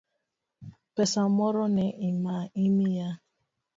Pesa moro ne imiya?